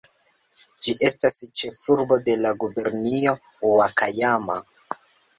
Ĝi estas ĉefurbo de la gubernio Ŭakajama.